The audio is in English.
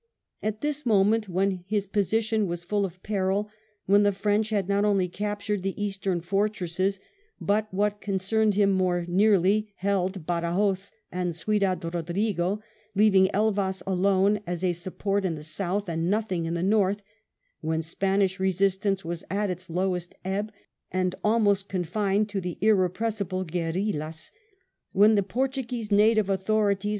At this moment, when his position was full of peril, when the French had not only captured the eastern fortresses, but, what con cerned him more nearly, held Badajos and Ciudad Rodrigo, leaving Elvas alone as a support in the south and nothing in the north ; when Spanish resistance was at its lowest ebb, and almost confined to the irrepres sible gmrillas ; when the Portuguese native authorities 154 WELLINGTON chaf.